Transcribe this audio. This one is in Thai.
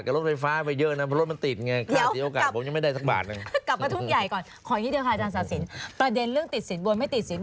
ประเด็นเรื่องติดศิลป์บ่นไม่ติดศิลป์บ่นคลิปเสียงหายไม่หายอะไรตกลงยังไงคะอาจารย์